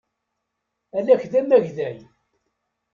Alak d amagday.